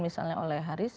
misalnya oleh haris